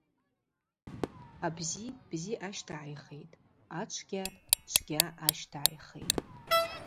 Абзи бзи ащтагӏайхитӏ, ачвгьа чвгьа ащтагӏайхитӏ.